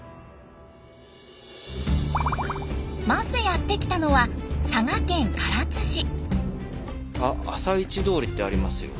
まずやって来たのは「朝市通り」ってありますよ。